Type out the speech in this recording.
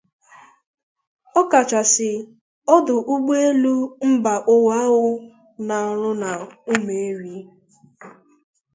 ọkachasị ọdụ ụgbụelu mba ụwa ahụ ọ na-arụ n'Ụmụeri